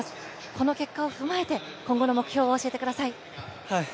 この結果を踏まえて今後の目標を教えてください。